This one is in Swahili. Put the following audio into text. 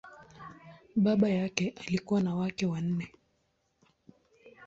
Baba yake alikuwa na wake wanne.